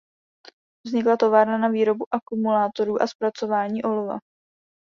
Vznikla továrna na výrobu akumulátorů a zpracování olova.